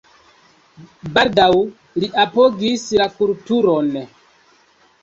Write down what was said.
Baldaŭ li apogis la kulturon.